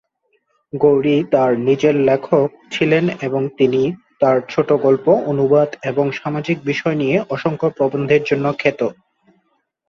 গৌরী তাঁর নিজের লেখক ছিলেন এবং তিনি তাঁর ছোট গল্প, অনুবাদ এবং সামাজিক বিষয় নিয়ে অসংখ্য প্রবন্ধের জন্য খ্যাত।